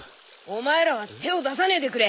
お前らは手を出さねえでくれ。